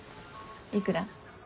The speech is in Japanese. いくら？